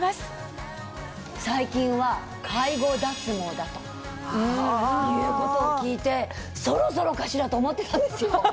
だということを聞いてそろそろかしらと思ってたんですよ。